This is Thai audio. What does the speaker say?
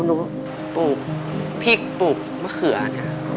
ปลูกพริกปลูกมะเขือเนี่ย